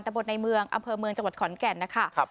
แต่บทในเมืองอำเภอเมืองจังหวัดขอนแก่นนะคะ